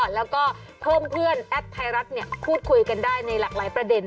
แล้วก็เพิ่มเพื่อนแอดไทยรัฐพูดคุยกันได้ในหลากหลายประเด็น